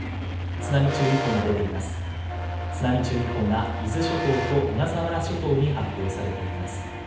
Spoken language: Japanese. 津波注意報が伊豆諸島と小笠原諸島に発表されています。